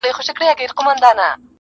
نه یې له تیارې نه له رڼا سره-